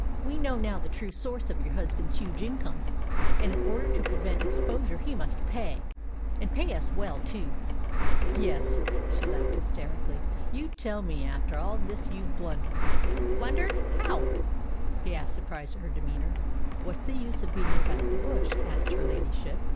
We know now the true source of your husband's huge income, and in order to prevent exposure he must pay and pay us well too." "Yes," she laughed hysterically. "You tell me all this after you've blundered." "Blundered! How?" he asked, surprised at her demeanour. "What's the use of beating about the bush?" asked her ladyship.